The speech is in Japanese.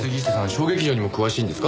小劇場にも詳しいんですか？